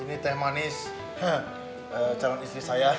ini teh manis calon istri saya